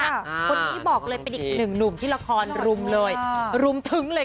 คนนี้บอกเลยเป็นอีกหนึ่งหนุ่มที่ละครรุมเลยรุมทึ้งเลยค่ะ